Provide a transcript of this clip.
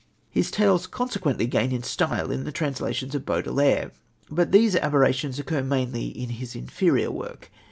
His tales consequently gain in style in the translations of Baudelaire. But these aberrations occur mainly in his inferior work.